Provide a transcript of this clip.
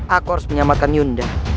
aku harus menyelamatkan yunda